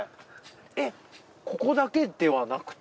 えっここだけではなくて？